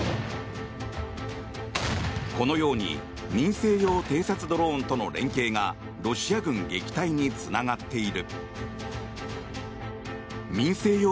このように民生用偵察ドローンとの連携がロシア軍撃退につながっている。